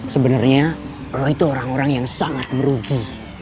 sebenernya lu itu orang orang yang sangat merugi